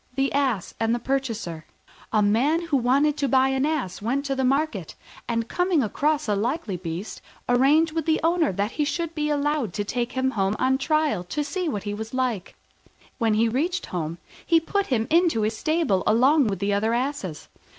THE ASS AND HIS PURCHASER A Man who wanted to buy an Ass went to market, and, coming across a likely looking beast, arranged with the owner that he should be allowed to take him home on trial to see what he was like. When he reached home, he put him into his stable along with the other asses.